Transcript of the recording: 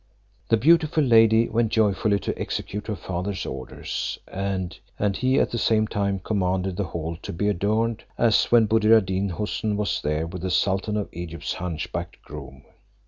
The beautiful lady went joyfully to execute her father's orders; and he at the same time commanded the hall to be adorned as when Buddir ad Deen Houssun was there with the sultan of Egypt's hunch backed groom.